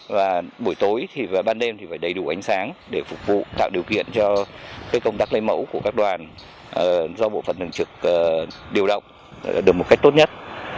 và buổi tối thì vào ban đêm thì phải đầy đủ ánh sáng để phục vụ tạo điều kiện cho công tác lấy mẫu của các đoàn do bộ phận thường trực điều động được một cách tốt nhất